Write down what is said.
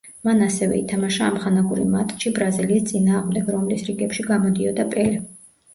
მან ასევე ითამაშა ამხანაგური მატჩი ბრაზილიის წინააღმდეგ, რომლის რიგებში გამოდიოდა პელე.